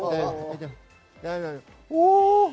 お！